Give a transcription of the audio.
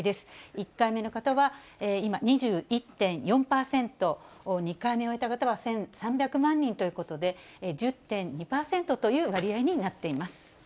１回目の方は、今、２１．４％、２回目を終えた方は１３００万人ということで、１０．２％という割合になっています。